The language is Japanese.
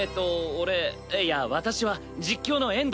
俺いや私は実況の遠藤。